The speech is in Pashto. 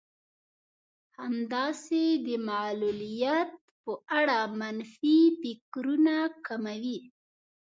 همداسې د معلوليت په اړه منفي فکرونه کموي.